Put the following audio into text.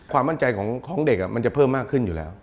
ความมั่นใจของเด็กมันจะเพิ่มมากขึ้นอยู่แล้ว